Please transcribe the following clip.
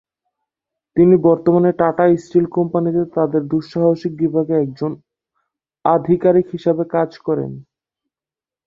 তিনি বর্তমানে টাটা স্টিল কোম্পানিতে তাদের দুঃসাহসিক বিভাগে একজন আধিকারিক হিসেবে কাজ করেন।